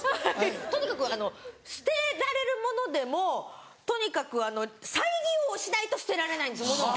とにかく捨てられるものでもとにかく再利用しないと捨てられないんです物を。